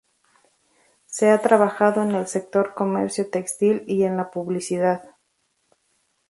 Se ha trabajado en el sector comercio textil y en la publicidad.